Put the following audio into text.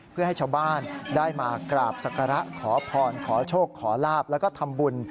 เพื่อให้ชาวบ้านได้มากราบศักระขอพรขอโชคขอลาบแล้วก็ทำบุญ